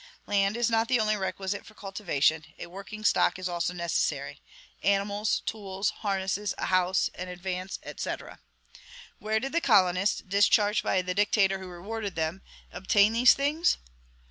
Land is not the only requisite for cultivation; a working stock is also necessary, animals, tools, harnesses, a house, an advance, &c. Where did the colonists, discharged by the dictator who rewarded them, obtain these things?